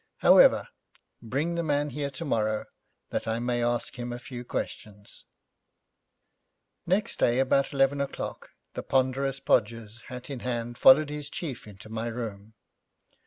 However, bring the man here tomorrow, that I may ask him a few questions.' Next day, about eleven o'clock, the ponderous Podgers, hat in hand, followed his chief into my room.